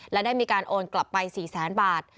และได้มีการโอนกลับไป๔แสนบาท